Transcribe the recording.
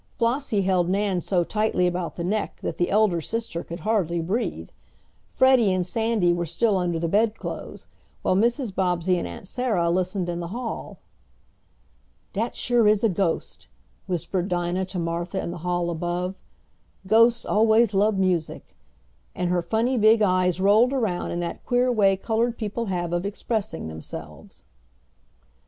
Flossie held Nan so tightly about the neck that the elder sister could hardly breathe. Freddie and Sandy were still under the bedclothes, while Mrs. Bobbsey and Aunt Sarah listened in the hall. "Dat sure is a ghost," whispered Dinah to Martha in the hall above. "Ghosts always lub music," and her funny big eyes rolled around in that queer way colored people have of expressing themselves.